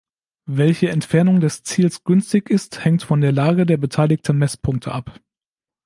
Welche Entfernung des Ziels günstig ist, hängt von der Lage der beteiligten Messpunkte ab.